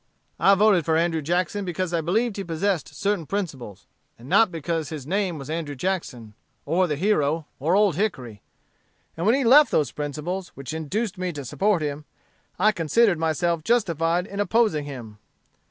"I voted for Andrew Jackson because I believed he possessed certain principles, and not because his name was Andrew Jackson, or the Hero, or Old Hickory. And when he left those principles which induced me to support him, I considered myself justified in opposing him.